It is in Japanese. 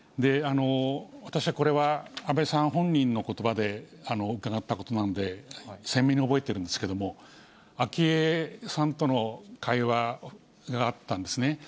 私は、これは安倍さん本人のことばで伺ったことなので、鮮明に覚えているんですけれども、昭恵さんとの会話があったんですね。